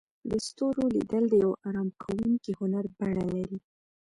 د ستورو لیدل د یو آرام کوونکي هنر بڼه لري.